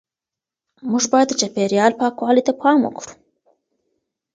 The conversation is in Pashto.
موږ باید د چاپیریال پاکوالي ته پام وکړو.